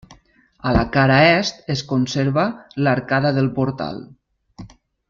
A la cara est, es conserva l'arcada del portal.